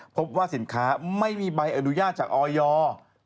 พบว่าสินค้าไม่มีใบอนุญาตจากออยอร์